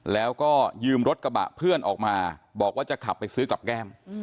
แล้วก็ยืมรถกระบะเพื่อนออกมาบอกว่าจะขับไปซื้อกับแก้ม